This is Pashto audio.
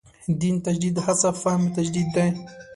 دین تجدید هڅه فهم تجدید دی.